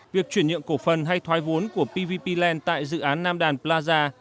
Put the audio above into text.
việc chuyển nhượng cổ phần hay thoái vốn của pvp land tại dự án nam đàn plaza